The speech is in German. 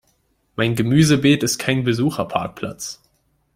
Mein Gemüsebeet ist kein Besucherparkplatz!